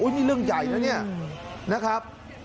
อุ๊ยนี่เรื่องใหญ่นะนี่นะครับ